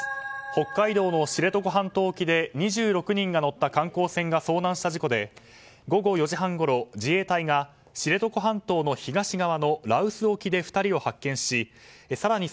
北海道の知床半島沖で２６人が乗った観光船が遭難した事故で午後４時半ごろ自衛隊が知床半島の東側の羅臼沖で２人を発見し更に